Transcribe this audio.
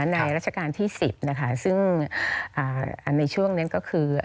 ราชการที่๑๐นะคะซึ่งในช่วงนั้นก็คือ